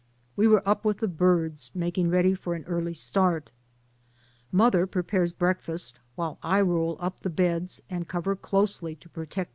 We were up with the birds making ready for an early start. Mother prepares breakfast, while I roll up the beds and cover closely to protect DAYS ON THE ROAD.